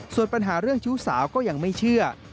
ส่วนปัญหาเรื่องชู้สาวก็ยังไม่เชื่อ